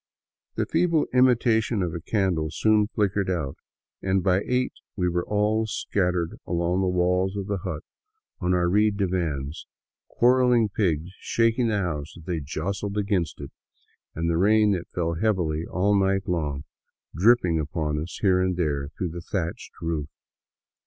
The feeble imita tion of a candle soon flickered out, and by eight we were all scattered along the walls of the hut on our reed divans, quarreling pigs shaking the house as they jostled against it, and the rain that fell heavily all night long dripping upon us here and there through the thatched roof.